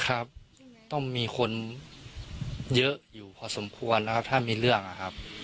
ครับต้องมีคนเยอะอยู่พอสมควรนะครับถ้ามีเรื่องนะครับ